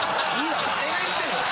誰が言ってんだよ。